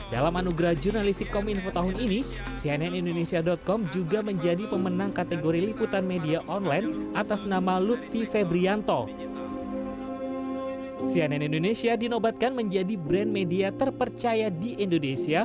dalam anugerah jurnalistik kominfo tahun ini cnn indonesia com juga menjadi pemenang kategori liputan media online atas nama lutfi febrianto cnn